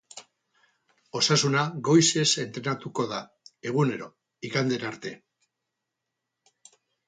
Osasuna goizez entrenatuko da, egunero, igandera arte.